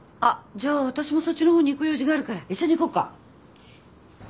じゃあ私もそっちの方に行く用事があるから一緒に行こっか。